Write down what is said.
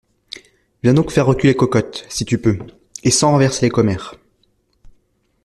Viens donc faire reculer Cocotte, si tu peux, et sans renverser les commères!